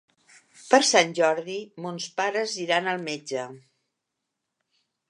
Per Sant Jordi mons pares iran al metge.